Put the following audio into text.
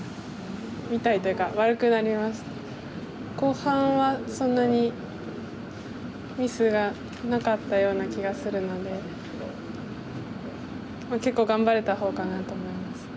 みたいというか後半はそんなにミスがなかったような気がするのでまあ結構頑張れた方かなと思います。